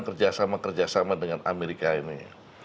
kerjasama kerjasama dengan amerika ini